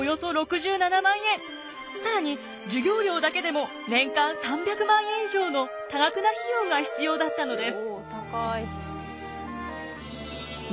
更に授業料だけでも年間３００万円以上の多額な費用が必要だったのです。